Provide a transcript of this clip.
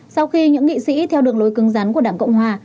sau khi những nghị sĩ theo đường lối cưng rắn của đảng cộng hòa